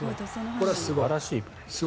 素晴らしいプレーです。